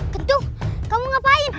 kentung kamu ngapain